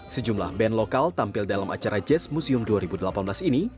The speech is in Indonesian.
sejumlah band lokal tampil dalam acara jazz museum dua ribu delapan belas ini